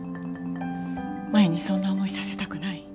マヤにそんな思いさせたくない。